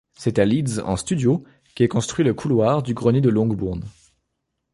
C'est à Leeds, en studio, qu'est construit le couloir du grenier de Longbourn.